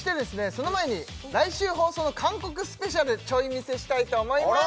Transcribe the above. その前に来週放送の韓国スペシャルちょい見せしたいと思います！